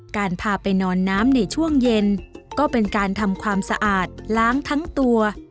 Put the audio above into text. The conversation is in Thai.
การพาไปนอนน้ำในช่วงเย็นก็เป็นการทำความสะอาดล้างทั้งตัว